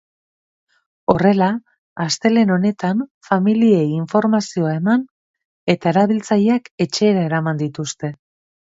Horrela, astelehen honetan familiei informazioa eman eta erabiltzaileak etxera eraman dituzte.